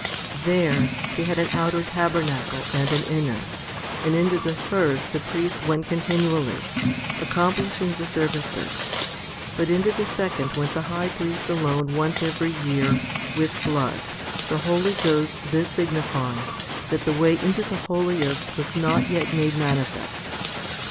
2. There they had an outer tabernacle and an inner, and into the first the priests went continually, accomplishing the services; but into the second went the high priest alone once every year, with blood, the Holy Ghost this signifying, that the way into the holiest was not yet made manifest?